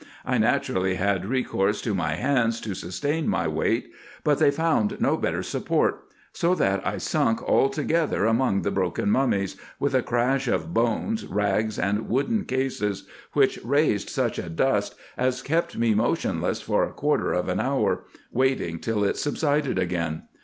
I naturally had recourse to my hands to sustain my weight, but they found no bet ter support ; so that I sunk altogether among the broken mummies, with a crash of bones, rags, and wooden cases, which raised such a dust as kept me motionless for a quarter of an hour, waiting till it subsided again.